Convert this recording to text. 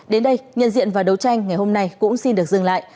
đến đây nhân diện và đấu tranh ngày hôm nay cũng xin được dừng lại